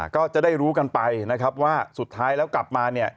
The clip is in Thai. ก็จะได้รู้กันแต่ว่าสุดท้ายแล้วกลับมา